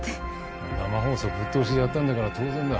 生放送ぶっ通しでやったんだから当然だ。